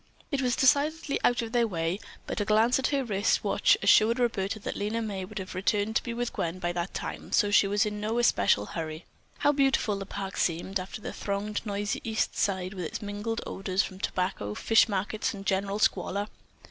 It was decidedly out of their way, but a glance at her wrist watch assured Roberta that Lena May would have returned to be with Gwen by that time, and so she was in no especial hurry. How beautiful the park seemed after the thronged noisy East Side with its mingled odors from tobacco, fish markets, and general squalor.